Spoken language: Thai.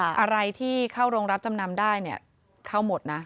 อะไรที่เข้าโรงรับจำนำได้เนี่ยเข้าหมดนะ